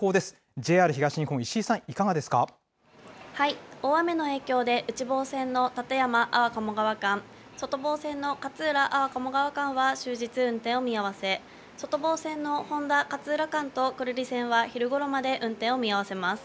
ＪＲ東日本、石井さん、いかがで大雨の影響で、内房線の館山・安房鴨川間、外房線の勝浦・安房鴨川間は終日運転を見合わせ、外房線の誉田・勝浦間と久留里線は昼ごろまで運転を見合わせます。